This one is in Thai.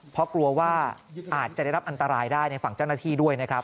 เพราะกลัวว่าอาจจะได้รับอันตรายได้ในฝั่งเจ้าหน้าที่ด้วยนะครับ